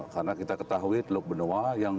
karena kita ketahui teluk benoa yang